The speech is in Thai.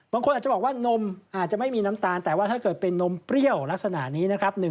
บางคนอาจจะบอกว่านมอาจจะไม่มีน้ำตาลแต่ว่าถ้าเกิดเป็นนมเปรี้ยวลักษณะนี้นะครับ